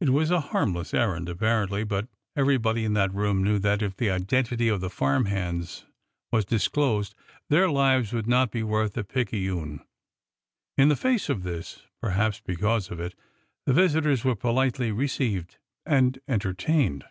It was a harmless errand, apparently, but everybody in that room knew that if the identity of the farm hands was dis closed their lives would not be worth a picayune. In the face of this— perhaps because of it— the visitors were po litely received and entertained.